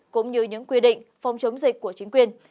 cũng như những quy định phòng chống dịch của chính quyền